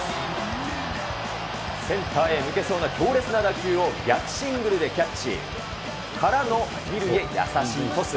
センターへ抜けそうな強烈な打球を、逆シングルでキャッチ。からの２塁へ優しいトス。